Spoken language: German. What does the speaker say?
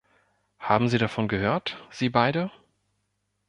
Haben Sie davon gehört, Sie beide?